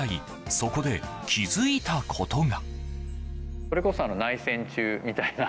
そこで気づいたことが。